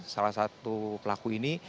salah satu pelaku ini